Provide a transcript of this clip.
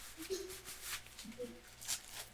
এ তো অসম্ভব।